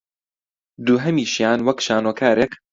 دووهەمیشیان وەک شانۆکارێک